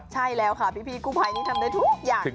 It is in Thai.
ใช่แล้วค่ะพี่กู้ภัยนี่ทำได้ทุกอย่าง